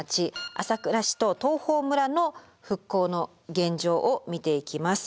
朝倉市と東峰村の復興の現状を見ていきます。